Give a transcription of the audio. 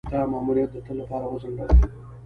دا ماموریت د تل لپاره وځنډاوه.